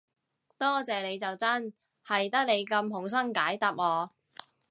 多謝你就真，係得你咁好心解答我